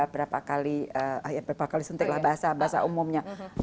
berapa kali suntik lah bahasa umumnya